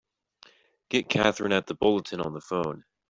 Get Katherine at the Bulletin on the phone!